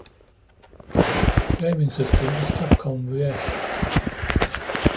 The gaming system is Capcom vs.